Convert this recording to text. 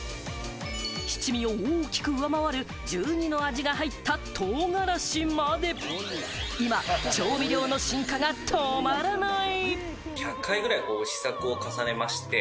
七味を大きく上回る１２の味が入った唐辛子まで、今、調味料の進化が止まらない！